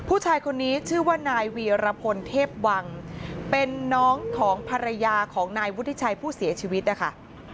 ผู้ชายคนนี้ชื่อว่านายวีรพลเทพวังเป็นน้องของภรรยาของนายวุฒิชัยผู้เสียชีวิตนะคะ